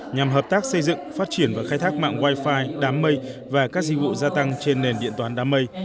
nhằm hợp tác xây dựng phát triển và khai thác mạng wifi đám mây và các dịch vụ gia tăng trên nền điện toán đám mây